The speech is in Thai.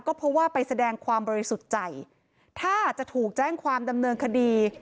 ก็เพราะว่าไปแสดงความบริสุทธิ์ใจถ้าจะถูกแจ้งความดำเนินคดี